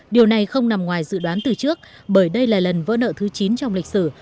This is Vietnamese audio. điều này không nằm ngoài dự đoán từ trước bởi đây là lần vỡ nợ thứ chín trong lịch sử